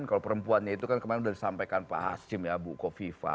kalau perempuannya itu kan kemarin sudah disampaikan pak hasim ya buko viva